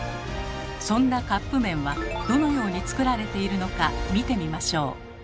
そんなカップ麺はどのように作られているのか見てみましょう。